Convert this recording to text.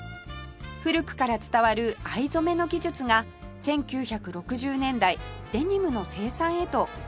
古くから伝わる藍染めの技術が１９６０年代デニムの生産へと受け継がれたのが始まりです